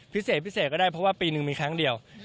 พิเศษพิเศษก็ได้เพราะว่าปีหนึ่งมีครั้งเดียว